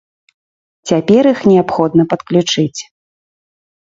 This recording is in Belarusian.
Цяпер іх неабходна падключыць.